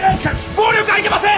暴力はいけません！